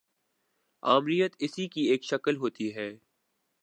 آمریت اسی کی ایک شکل ہوتی ہے۔